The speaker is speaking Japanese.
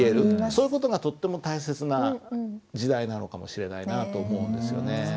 そういう事がとっても大切な時代なのかもしれないなぁと思うんですよね。